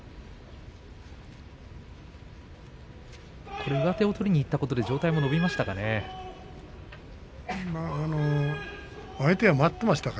これは、上手を取りにいったことで上体も伸びてしまいましたか？